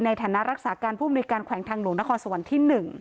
ในฐานะรักษาการผู้มนุยการแขวงทางหลวงนครสวรรค์ที่๑